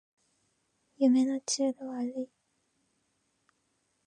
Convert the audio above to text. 夢の中道描いていきましょう